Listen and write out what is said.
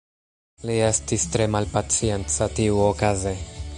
Li estis tre malpacienca tiuokaze.